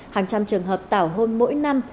hàng trăm trường hợp tảo hôn mỗi năm